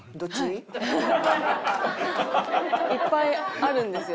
いっぱいあるんですよ。